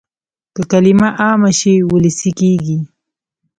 که کلمه عامه شي وولسي کېږي.